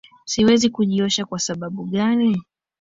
Siwezi kujiosha kwa sababu gani.